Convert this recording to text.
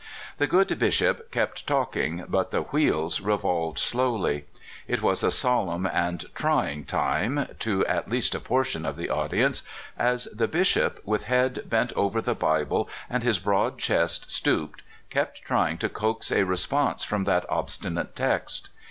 The good Bishop kept talk ing, but the wheels revolved slowdy. It w^as a sol emn and '* trying time" to at least a portion of the audience, as the Bishop, with head bent over the Bible and his broad chest stooped, kept trying to coax a response from that obstinate text.